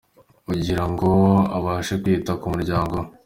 ugira ngo abashe kwita ku muryango we.